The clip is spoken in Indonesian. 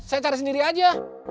saya cari sendiri aja